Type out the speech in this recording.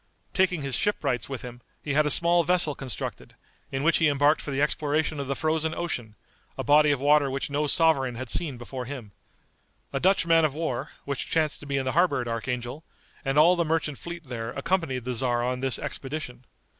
Taking his shipwrights with him, he had a small vessel constructed, in which he embarked for the exploration of the Frozen Ocean, a body of water which no sovereign had seen before him. A Dutch man of war, which chanced to be in the harbor at Archangel, and all the merchant fleet there accompanied the tzar on this expedition.